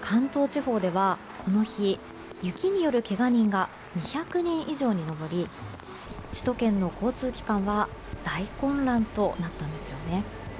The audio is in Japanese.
関東地方では、この日雪によるけが人が２００人以上に上り首都圏の交通機関は大混乱となったんですよね。